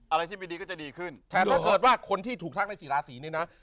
อะไรที่ไม่ดีก็จะดีขึ้นแต่ถ้าเกิดว่าคนที่ถูกทักในสี่ราศีเนี่ยนะ